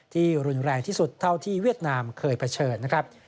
รุนแรงที่สุดเท่าที่เวียดนามเคยเผชิญนะครับ